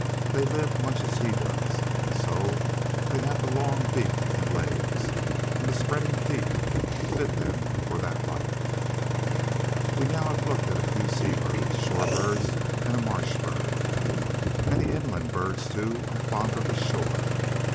They live much as he does, and so they have the long beak and legs, and the spreading feet, to fit them for that life. We have now looked at a few sea birds, shore birds, and a marsh bird. Many inland birds, too, are fond of the shore.